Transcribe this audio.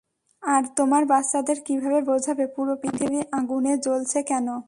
আর তোমার বাচ্চাদের কিভাবে বোঝাবে পুরো পৃথিবী আগুনে জ্বলছে কেন।